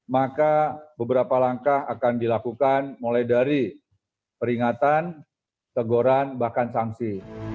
maka beberapa langkah akan dilakukan mulai dari peringatan teguran bahkan sanksi